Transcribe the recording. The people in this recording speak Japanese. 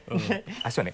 足をね